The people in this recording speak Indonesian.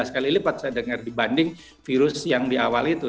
lima belas kali lipat saya dengar dibanding virus yang di awal itu